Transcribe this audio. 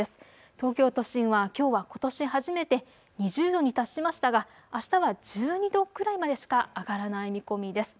東京都心はきょうはことし初めて２０度に達しましたがあしたは１２度くらいまでしか上がらない見込みです。